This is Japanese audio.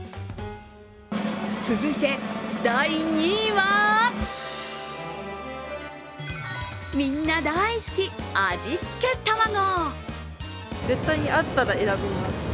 続いて第２位は、みんな大好き味付たまご。